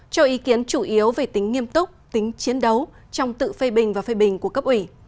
cho ý kiến chủ yếu về tính nghiêm túc tính chiến đấu trong tự phê bình và phê bình của cấp ủy